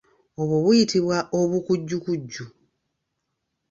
Obw'o buyitibwa obukukujju.